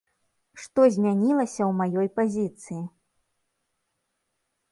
Што змянілася ў маёй пазіцыі?